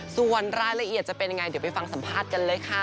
ส่วนรายละเอียดจะเป็นยังไงเดี๋ยวไปฟังสัมภาษณ์กันเลยค่ะ